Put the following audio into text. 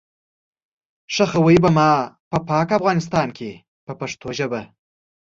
ښخوئ به ما په پاک افغانستان کې په پښتو ژبه.